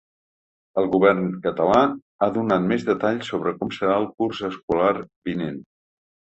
El govern català ha donat més detalls sobre com serà el curs escolar vinent.